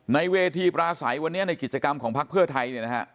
ในเวทีปราศัยวันนี้ในกิจกรรมของภักดิ์เพื่อไทย